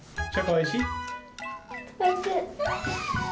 おいしい！